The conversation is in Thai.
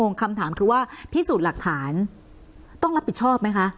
งคำถามคือว่าพิสูจน์หลักฐานต้องรับผิดชอบไหมคะ